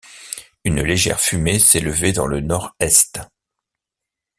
Une légère fumée s’élevait dans le nord-est.